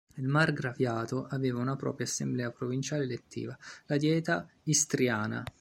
Il margraviato aveva una propria assemblea provinciale elettiva, la Dieta istriana.